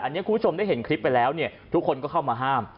อันนี้คุณผู้ชมได้เห็นคลิปไปแล้วเนี่ยทุกคนก็เข้ามาห้าม